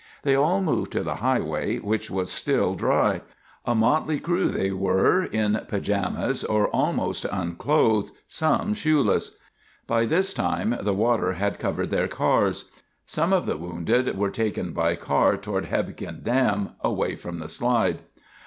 They all moved to the highway, which was still dry. A motley crew they were, in pajamas, or almost unclothed, some shoeless. By this time the water had covered their cars. Some of the wounded were taken by car toward Hebgen Dam—away from the slide.